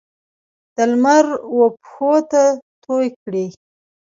د لمر وپښوته توی کړي